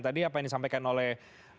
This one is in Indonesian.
tadi apa yang disampaikan oleh